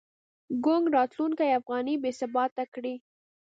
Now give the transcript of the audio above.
ګونګ راتلونکی افغانۍ بې ثباته کړې.